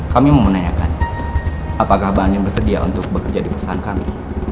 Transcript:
kami mau menanyakan apakah banyum bersedia untuk bekerja di perusahaan kami